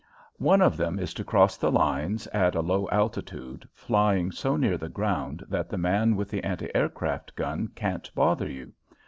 One of them is to cross the lines at a low altitude, flying so near the ground that the man with the anti aircraft gun can't bother you.